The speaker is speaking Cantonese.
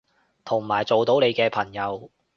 同埋做到你嘅朋友